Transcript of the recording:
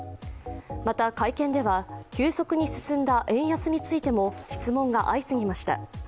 また、会見では急速に進んだ円安についても質問が相次ぎました。